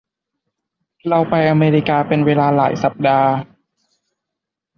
เราไปอเมริกาเป็นเวลาหลายสัปดาห์